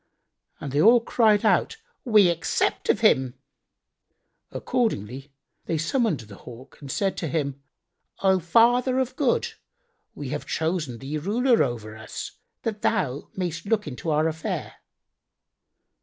And they all cried out, "We accept of him." Accordingly they summoned the Hawk and said to him, "O Father of Good,[FN#90] we have chosen thee ruler over us, that thou mayst look into our affair."